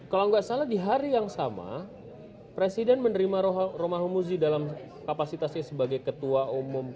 kalau nggak salah di hari yang sama presiden menerima romahu muzi dalam kapasitasnya sebagai ketua umum p tiga